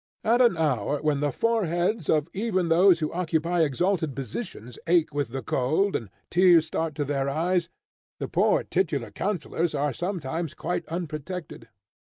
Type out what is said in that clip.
At an hour, when the foreheads of even those who occupy exalted positions ache with the cold, and tears start to their eyes, the poor titular councillors are sometimes quite unprotected.